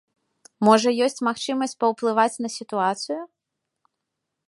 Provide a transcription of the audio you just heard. Можа, ёсць магчымасць паўплываць на сітуацыю?